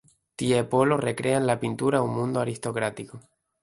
Tiepolo recrea en la pintura un mundo aristocrático.